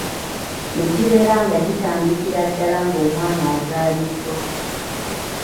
Ne kibeera nga gitandikira ddala ng’omwana azaaliddwa.